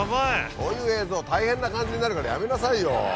こういう映像大変な感じになるからやめなさいよ！